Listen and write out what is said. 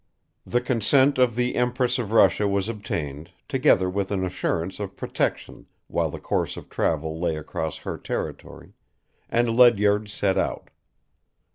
The consent of the Empress of Russia was obtained, together with an assurance of protection while the course of travel lay across her territory; and Ledyard set out.